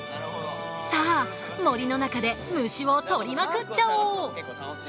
さあ森の中で虫を捕りまくっちゃおう！